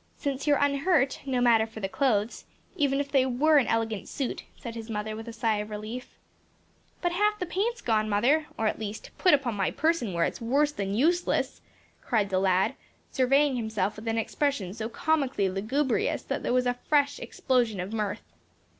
'" "Since you are unhurt, no matter for the clothes; even if they were an elegant suit," said his mother, with a sigh of relief. "But half the paint's gone, mother or at least put upon my person where it's worse than useless," cried the lad, surveying himself with an expression so comically lugubrious that there was a fresh explosion of mirth.